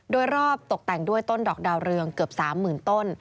โดยรอบตกแต่งด้วยต้นดอกดาวเรืองเกือบ๓๐๐๐ต้น